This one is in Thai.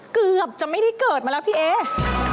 เกือบจะไม่ได้เกิดมาแล้วพี่เอ